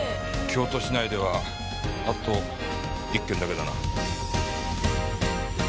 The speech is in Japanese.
京都市内ではあと１軒だけだな。